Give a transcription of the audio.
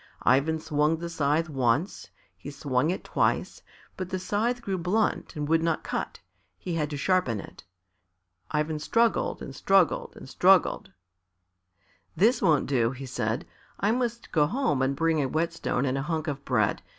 Ivan swung the scythe once, he swung it twice, but the scythe grew blunt and would not cut; he had to sharpen it. Ivan struggled and struggled and struggled. "This won't do," he said; "I must go home and bring a whetstone and a hunk of bread.